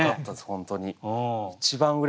本当に。